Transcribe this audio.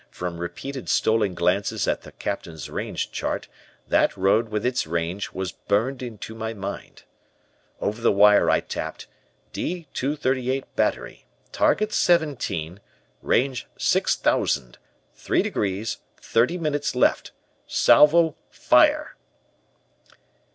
From repeated stolen glances at the Captain's range chart, that road with its range was burned into my mind. "Over the wire I tapped, 'D 238 Battery, Target Seventeen, Range 6000, three degrees, thirty minutes, left, Salvo, Fire.'